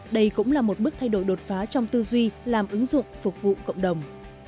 đây cũng là một bước thay đổi đột phá trong tư duy làm ứng dụng phục vụ cộng đồng